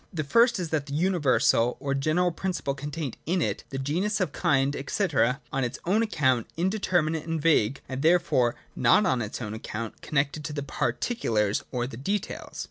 The first is that the Universal or general principle contained in it, the genus, or kind, &c., is, on its own account, indeter minate and vague, and therefore not on its own account connected with the Particulars or the details.